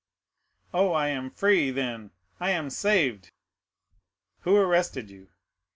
"Oh, I am free—then I am saved!" "Who arrested you?"